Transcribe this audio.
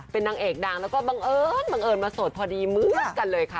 เป็นนางเอกดังแล้วก็บังเอิญบังเอิญมาโสดพอดีเหมือนกันเลยค่ะ